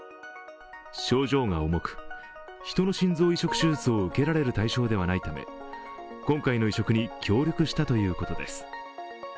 症状が重く、人の心臓移植手術を受けられる対象ではないため今回の移植に協力したということです。